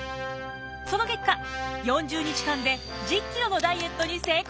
その結果４０日間で１０キロのダイエットに成功！